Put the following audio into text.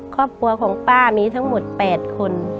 ครอบครัวของป้ามีทั้งหมด๘คน